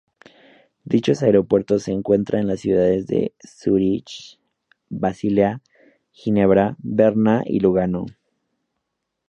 Dichos aeropuertos se encuentran en las ciudades de Zúrich, Basilea, Ginebra, Berna y Lugano.